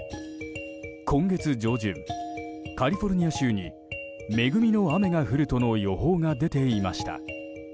今月上旬、カリフォルニア州に恵みの雨が降るとの予報が出ていました。